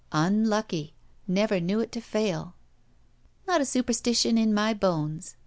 "Unlucky. Never knew it to fail." "Not a superstition in my bones.